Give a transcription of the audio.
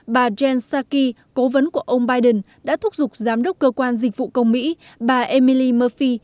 bà jen saki cố vấn của ông biden đã thúc giục giám đốc cơ quan dịch vụ công mỹ bà emily murphie